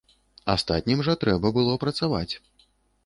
Астатнім жа трэба было працаваць.